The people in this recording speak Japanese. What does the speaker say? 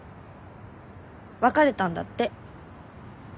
別れたんだって。